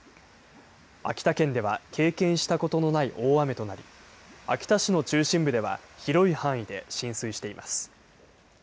秋田県では経験したことのない大雨となり秋田市の中心部では広い範囲で浸水しています。